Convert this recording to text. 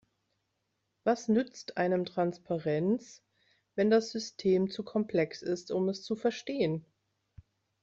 Was nützt einem Transparenz, wenn das System zu komplex ist, um es zu verstehen?